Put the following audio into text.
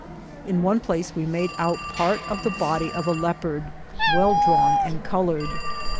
In one place we made out part of the body of a leopard, well drawn and coloured.